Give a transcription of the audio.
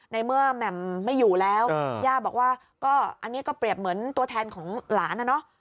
ในเมื่อแหม่มไม่อยู่แล้วย่าบอกว่าก็อันนี้ก็เปรียบเหมือนตัวแทนของหลานนะเนาะ